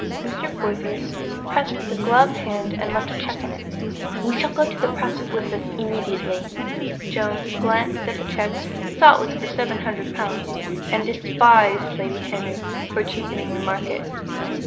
Mr. Portheous pressed the gloved hand and left a cheque in it. "We shall go to press with this immediately." Joan glanced at the cheque, saw it was for seven hundred pounds, and despised Lady Henry for cheapening the market.